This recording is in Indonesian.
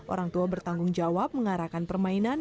orang tua bertanggung jawab mengarahkan permainan